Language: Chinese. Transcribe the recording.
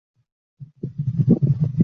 兰屿胡椒为胡椒科胡椒属的植物。